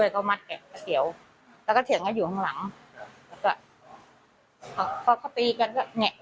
คำไว้แล้วก็เขาก็เดินวิ่งมาข้างในนี่แหละ